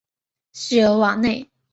西尔瓦内。